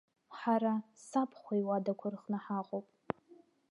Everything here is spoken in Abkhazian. Ҳара сабхәа иуадақәа рҟны ҳаҟоуп.